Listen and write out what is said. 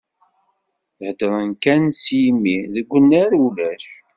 Heddren kan s yimi, deg unnar ulac!